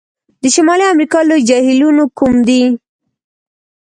د شمالي امریکا لوی جهیلونو کوم دي؟